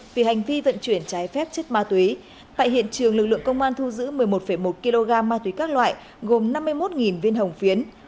vì hành vi vận chuyển trái phép chất ma túy tại hiện trường lực lượng công an thu giữ một mươi một một kg ma túy các loại gồm năm mươi một viên hồng phiến